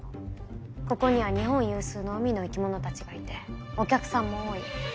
ここには日本有数の海の生き物たちがいてお客さんも多い。